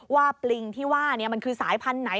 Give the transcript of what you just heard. ปลิงที่ว่ามันคือสายพันธุ์ไหน